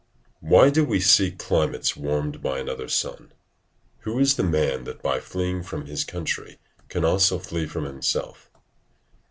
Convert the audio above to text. ["Why do we seek climates warmed by another sun? Who is the man that by fleeing from his country, can also flee from himself?"